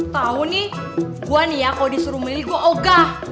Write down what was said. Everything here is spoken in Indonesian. tau nih gua nih ya kalo disuruh milih gua ogah